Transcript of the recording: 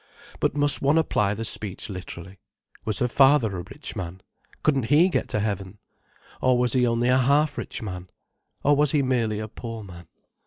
But must one apply the speech literally? Was her father a rich man? Couldn't he get to heaven? Or was he only a half rich man? Or was he merely a poor man?